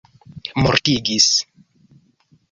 mortigis